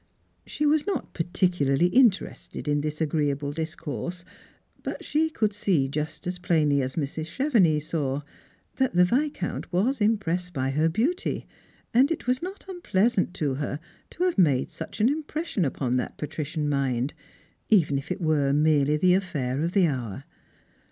She was not particularly interested in this agreeable dis course; but she could see, just as plainly as Mrs. Chevenix saw, that the Viscount was impressed by her beauty, and it was not unpleasant to her to have made such an impression upon that patrician mind, even if it were merely the affair of an hour.